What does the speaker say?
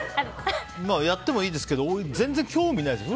やってもいいですけど俺のは全然興味ないですよ。